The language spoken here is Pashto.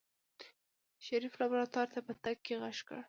شريف لابراتوار ته په تګ کې غږ کړ.